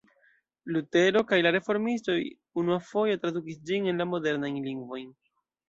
Lutero kaj la reformistoj unuafoje tradukis ĝin en la modernajn lingvojn.